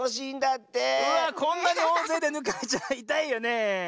こんなにおおぜいでぬかれちゃいたいよねえ。